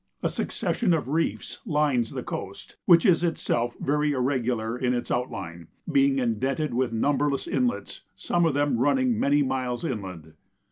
A succession of reefs lines the coast, which is itself very irregular in its outline, being indented with numberless inlets, some of them running many miles inland.